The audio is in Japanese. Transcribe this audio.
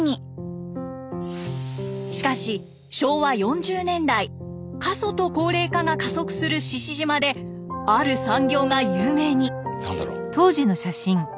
しかし昭和４０年代過疎と高齢化が加速する志々島である産業が有名に。